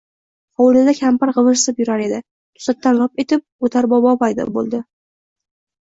Hovlida kampir gʼivirsib yurar edi. Toʼsatdan lop etib Oʼtar bobo paydo boʼldi.